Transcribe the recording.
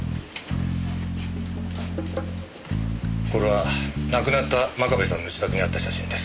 これは亡くなった真壁さんの自宅にあった写真です。